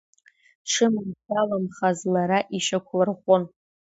Дшыманшәаламхаз лара ишьақәлырӷәӷәон.